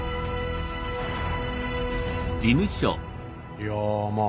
いやまあ